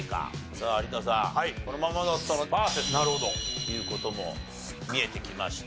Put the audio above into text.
さあ有田さんこのままだったらパーフェクトという事も見えてきました。